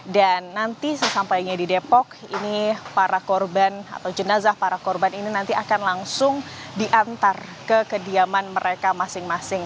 dan nanti sesampainya di depok ini para korban atau jenazah para korban ini nanti akan langsung diantar ke kediaman mereka masing masing